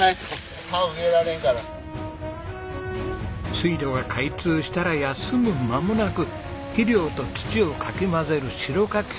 水路が開通したら休む間もなく肥料と土をかき混ぜる代かき作業に入ります。